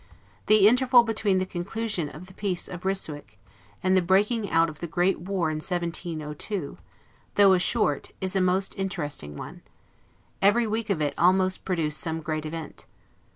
The interval between the conclusion of the peace of Ryswick, and the breaking out of the great war in 1702, though a short, is a most interesting one. Every week of it almost produced some great event.